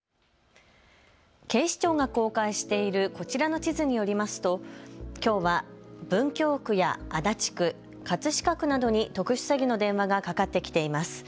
警視庁が公開しているこちらの地図によりますときょうは文京区や足立区、葛飾区などに特殊詐欺の電話がかかってきています。